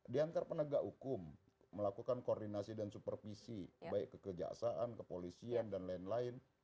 di antar penegak hukum melakukan koordinasi dan supervisi baik kekejaksaan kepolisian dan lain lain